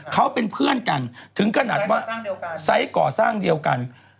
เขาเป็นเพื่อนกันถึงขนาดว่าไซส์ก่อสร้างเดียวกัน